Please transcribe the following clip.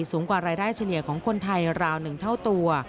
สูงกว่ารายได้เฉลี่ยของคนไทยราว๑เท่าตัว